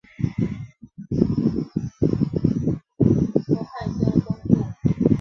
长渊站是位于朝鲜民主主义人民共和国黄海南道长渊郡长渊邑的一个铁路车站。